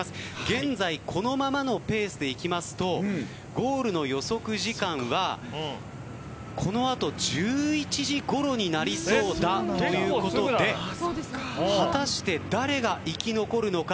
現在このままのペースでいきますとゴールの予測時間はこのあと１１時ごろになりそうだということで果たして誰が生き残るのか。